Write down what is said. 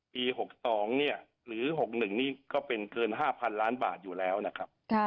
ปี๖๒เนี่ยหรือ๖๑นี่ก็เป็นเกิน๕๐๐๐ล้านบาทอยู่แล้วนะครับ